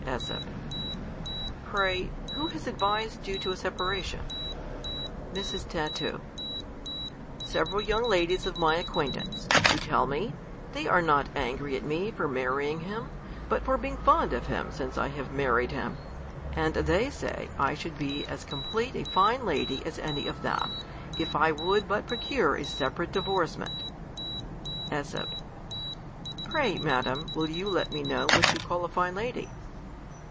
.>^s. Pray, who has advised you to a separation ? Mrs. Tat. Several young ladies of my acquaintance ; who tell me, they are not angry at me for marrying him ; but for being fond of him since I have married him ; and they say I should be as complete a fine lady as any of them, if I would but prov:ure a separate di vorcement. ^s. Pray, madam, will you let me know what you call a fine lady